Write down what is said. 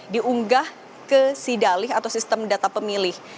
diunggah ke sidalih atau sistem data pemilih